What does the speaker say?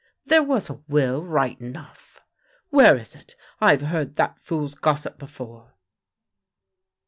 "There was a will, right enough! "" Where is it? I've heard that fool's gossip before!